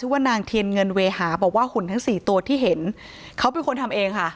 ว่านางเทียนเงินเวหาบอกว่าหุ่นทั้งสี่ตัวที่เห็นเขาเป็นคนทำเองค่ะ